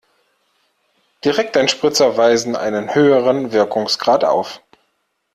Direkteinspritzer weisen einen höheren Wirkungsgrad auf.